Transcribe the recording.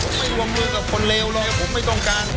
ผมไม่วงมือกับคนเลวเลยผมไม่ต้องการ